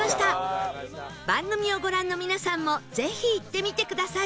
番組をご覧の皆さんもぜひ行ってみてください